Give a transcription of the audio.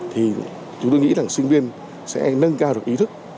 thì chúng tôi nghĩ rằng sinh viên sẽ nâng cao được ý thức